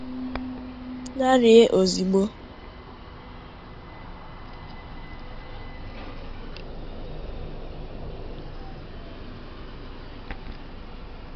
larie ozigbo